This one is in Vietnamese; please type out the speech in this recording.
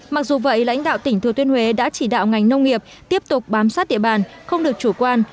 mặc dù vậy lãnh đạo tỉnh thừa tuyên huế đã chỉ đạo ngành nông nghiệp tiếp tục bám sát địa bàn không được chủ quan